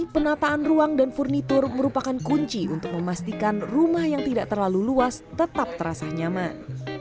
penataan ruang dan furnitur merupakan kunci untuk memastikan rumah yang tidak terlalu luas tetap terasa nyaman